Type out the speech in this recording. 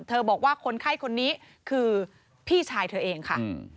บอกว่าคนไข้คนนี้คือพี่ชายเธอเองค่ะ